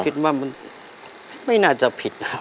น่ะคิดว่าไม่น่าจะผิดนะครับ